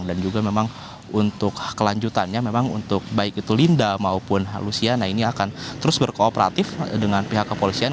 dan juga memang untuk kelanjutannya memang untuk baik itu linda maupun lusiana ini akan terus berkooperatif dengan pihak kepolisian